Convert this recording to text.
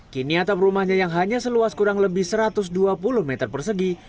kini atap rumahnya yang hanya seluas kurang lebih satu ratus dua puluh meter persegi